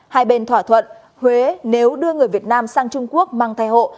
hai bên thỏa thuận huế nếu đưa người việt nam sang trung quốc mang thai hộ